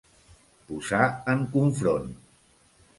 Posar en confront.